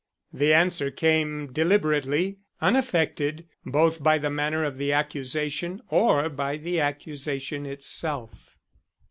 The answer came deliberately, unaffected both by the manner of the accusation or by the accusation itself.